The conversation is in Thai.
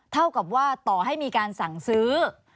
เท่ากับว่าต่อให้มีการสั่งซื้อ